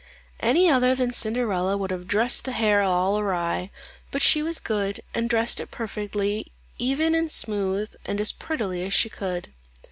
Any other than Cinderella would have dressed the hair all awry, but she was good, and dressed it perfectly even and smooth, and as prettily as she could.